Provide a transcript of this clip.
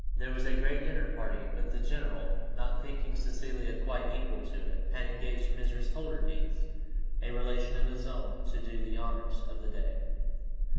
There was a great dinner party, but the general, not thinking Cecilia quite equal to it, had engaged Mrs. Holdernesse, a relation of his own, to do the honours of the day.